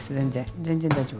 全然大丈夫。